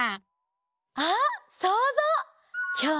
あっそうぞう！